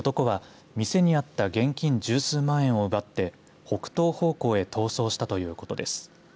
男は店にあった現金十数万円を奪って北東方向へ逃走したということです。